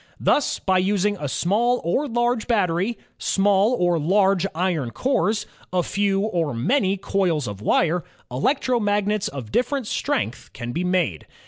Thus by using a small or large battery, small or large iron cores, a few or many coils of wire, electromagnets of different strength can be made.